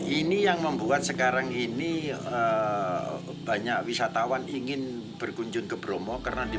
ini yang membuat sekarang ini banyak wisatawan ingin berkunjung ke bromo